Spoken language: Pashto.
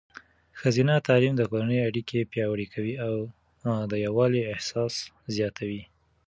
ښځینه تعلیم د کورنۍ اړیکې پیاوړې کوي او د یووالي احساس زیاتوي.